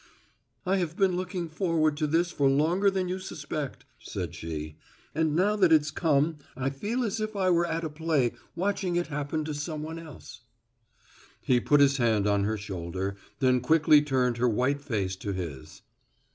"I have been looking forward to this for longer than you suspect," said she, "and now that it's come, I feel as if I were at a play watching it happen to some one else." He put his hand on her shoulder, then quickly turned her white face to his.